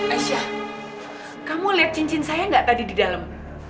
aisyah kamu liat cincin saya gak tadi di dalem